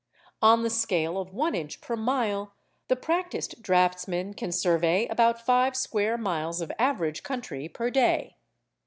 On the scale of one inch per mile the practised draughtsman can survey about five square miles of average country per day.